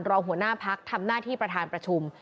รองหัวหน้าพักทำหน้าที่ประธานประชุม